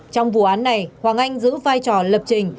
trong vụ án này hoàng anh giữ vai trò lập trình